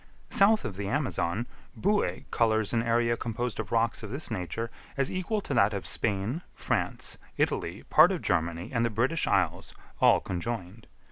South of the Amazon, Boue colours an area composed of rocks of this nature as equal to that of Spain, France, Italy, part of Germany, and the British Islands, all conjoined.